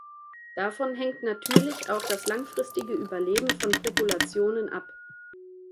Davon hängt natürlich auch das langfristige Überleben von Populationen ab.